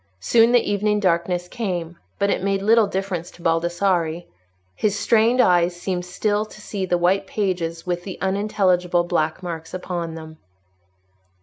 Soon the evening darkness came; but it made little difference to Baldassarre. His strained eyes seemed still to see the white pages with the unintelligible black marks upon them.